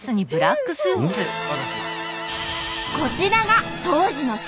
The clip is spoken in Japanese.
こちらが当時の写真！